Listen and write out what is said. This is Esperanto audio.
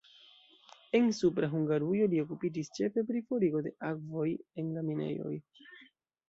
En Supra Hungarujo li okupiĝis ĉefe pri forigo de akvoj en la minejoj.